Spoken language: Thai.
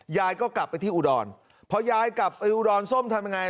ยายก็กลับไปที่อุดรพอยายกลับไปอุดรส้มทำยังไง